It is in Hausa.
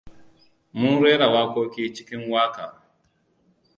Mun rera wakoki cikin waƙa.